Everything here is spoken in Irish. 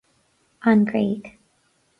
An Ghréig